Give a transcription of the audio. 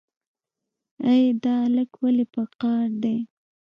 ای دا الک ولې په قار دی.